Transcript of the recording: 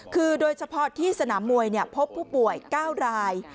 คือโดยเฉพาะที่สนามมวยพบผู้ป่วย๙ราย